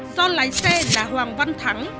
do lái xe là hoàng văn thắng